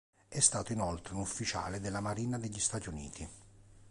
È stato inoltre un ufficiale della Marina degli Stati Uniti.